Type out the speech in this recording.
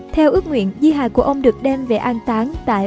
theo ước nguyện di hài của ông được đem về an tán tại